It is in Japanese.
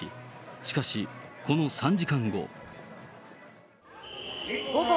しかし、この３時間後。